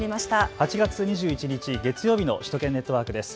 ８月２１日、月曜日の首都圏ネットワークです。